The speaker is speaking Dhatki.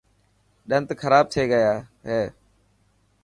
ڏنت کراب ٿيا هي.